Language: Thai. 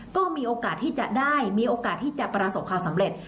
ก็มีโอกาสที่จะได้มีโอกาสที่จะประสบความสำเร็จ